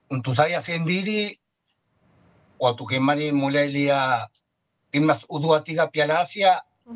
untuk saya sendiri waktu kemarin mulai lihat timnas u dua puluh tiga piala asia